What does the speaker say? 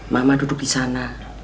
mama duduk disana